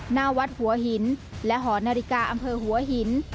หน้าวัดหัวหินและหอนาฬิกาอำเภอหัวหิน